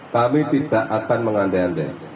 kami tidak akan mengandai andai